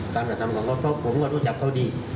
กระทำของเขาเพราะผมก็รู้จักเขาดี